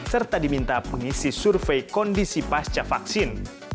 serta diminta pengisi survei kondisi pasca vaksin